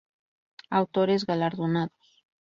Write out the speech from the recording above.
Autores galardonados